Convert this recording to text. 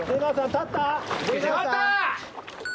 立った！